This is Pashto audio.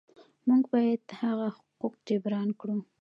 موږ باید هغه حقوق جبران کړو.